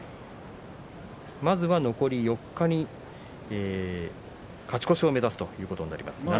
まずは残り４日に勝ち越しを目指すということになります。